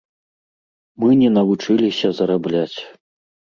Мы не навучыліся зарабляць.